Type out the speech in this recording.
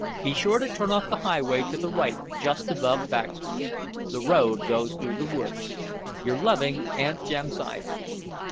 Be sure to turn off the highway to the right just above Baxters. The road goes through the woods. Your loving Aunt Jamsiah.